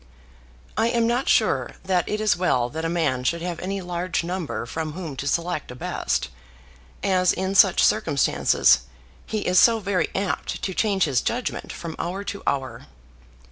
I am not sure that it is well that a man should have any large number from whom to select a best; as, in such circumstances, he is so very apt to change his judgment from hour to hour.